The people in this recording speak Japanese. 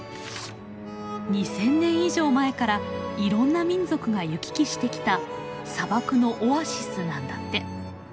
２，０００年以上前からいろんな民族が行き来してきた砂漠のオアシスなんだって。